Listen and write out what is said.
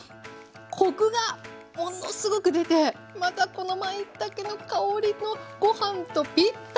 コクがものすごく出てまたこのまいたけの香りのご飯とぴったり！